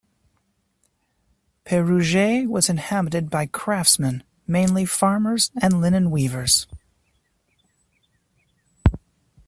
Pérouges was inhabited by craftsmen; mainly farmers and linen weavers.